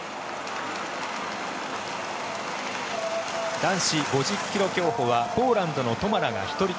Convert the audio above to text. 男子５０ｋｍ競歩はポーランドのトマラが一人旅。